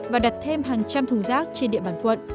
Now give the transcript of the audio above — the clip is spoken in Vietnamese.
và đặt thêm hàng trăm thu gom rác trên địa bàn quận